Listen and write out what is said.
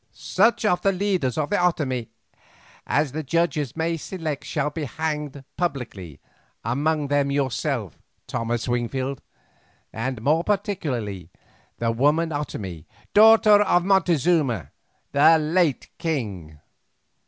Such of the leaders of the Otomie as the judges may select shall be hanged publicly, among them yourself, Cousin Wingfield, and more particularly the woman Otomie, daughter of Montezuma the late king.